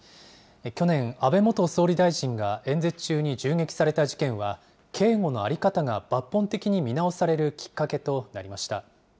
去年、安倍元総理大臣が演説中に銃撃された事件は、警護の在り方が抜本的に見直されるきっかけとなりました。